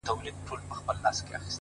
يوه سړي د ملا قبر موندلي شراب-